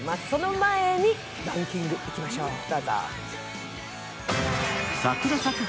その前にランキングいきましょう。